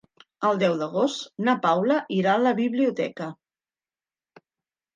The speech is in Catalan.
El deu d'agost na Paula irà a la biblioteca.